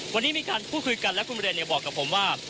วันนี้มีการคุยกันและคุณเบรดเนี่ยบอกกับผมว่า